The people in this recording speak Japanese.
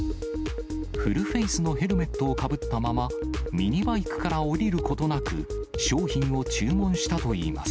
フルフェースのヘルメットをかぶったままミニバイクから降りることなく、商品を注文したといいます。